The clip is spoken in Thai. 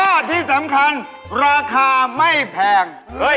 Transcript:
และที่สำคัญราคาไม่แพง